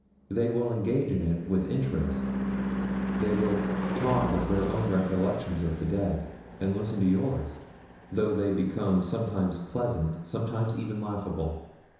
They will engage in it with interest, they will talk of their own recollections of the dead, and listen to yours, though they become sometimes pleasant, sometimes even laughable.